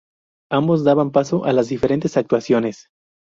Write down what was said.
Ambos daban paso a las diferentes actuaciones.